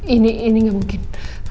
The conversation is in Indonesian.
ini ini ini gak mungkin